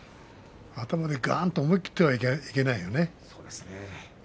頭でがんと思い切っては、いけないよね。